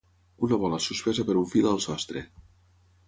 Una bola suspesa per un fil al sostre.